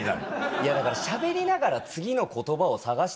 いやだからしゃべりながら次の言葉を探してるから。